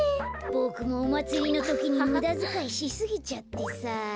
ボクもおまつりのときにむだづかいしすぎちゃってさあ。